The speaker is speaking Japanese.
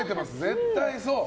絶対そう。